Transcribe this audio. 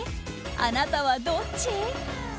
あなたは、どっち？